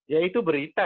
ya itu berita